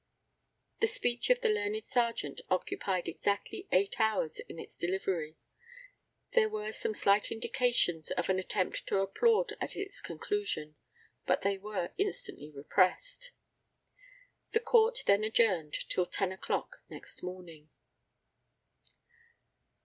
The speech of the learned Serjeant occupied exactly eight hours in its delivery. There were some slight indications of an attempt to applaud at its conclusion, but they were instantly repressed. The Court then adjourned till 10 o'clock next morning.